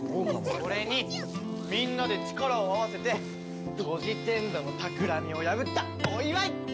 それにみんなで力を合わせてトジテンドの企みを破ったお祝い！